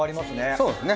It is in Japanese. そうですね。